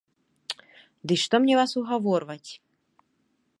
Дый што мне вас угаворваць.